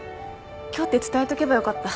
今日って伝えとけばよかった。